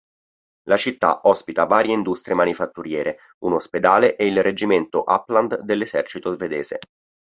La città ospita varie industrie manifatturiere, un ospedale e il Reggimento Uppland dell'Esercito svedese.